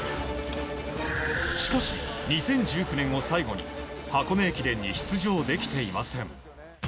しかし、２０１９年を最後に箱根駅伝に出場できていません。